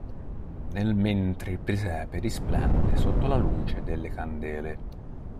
Nel mentre il presepe risplende sotto la luce delle candele.